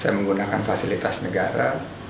menggunakan fasilitas negara